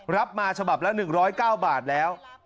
รับมาฉบับละ๑๐๙บาทแล้ว